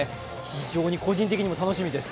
非常に個人的にも楽しみです。